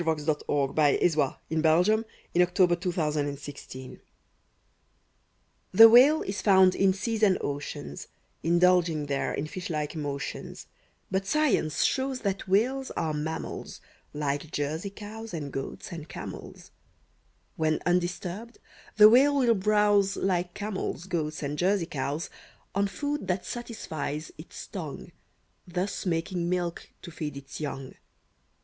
JM Embroideries & Collectibles The Whale By Ellis Parker Butler The Whale is found in seas and oceans, Indulging there in fishlike motions, But Science shows that Whales are mammals, Like Jersey cows, and goats, and camels. When undisturbed, the Whale will browse Like camels, goats, and Jersey cows, On food that satisfies its tongue, Thus making milk to feed its young.